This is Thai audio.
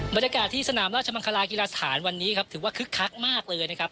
บรรยากาศที่สนามราชมังคลากีฬาสถานวันนี้ครับถือว่าคึกคักมากเลยนะครับ